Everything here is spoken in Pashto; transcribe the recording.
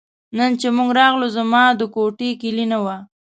نن چې موږ راغلو زما د کوټې کیلي نه وه.